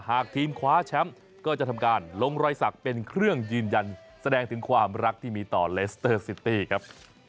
หากทีมคว้าแชมป์ก็จะทำการลงรอยสักเป็นเครื่องยืนยันแสดงถึงความรักที่มีต่อเลสเตอร์ซิตี้ครับ